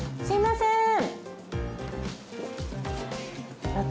すいません！